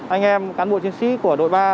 anh em cán bộ chiến sĩ của đội ba